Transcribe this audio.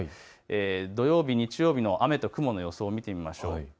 土曜日、日曜日の雨と雲の予想を見てみましょう。